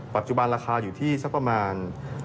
ปัจจุบันราคาอยู่ที่สักประมาณ